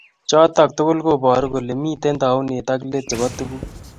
chotok tugul kobaru kole mito taunet ak let chebo tuguk